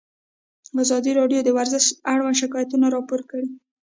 ازادي راډیو د ورزش اړوند شکایتونه راپور کړي.